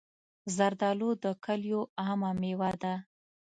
زردالو د کلیو عامه مېوه ده.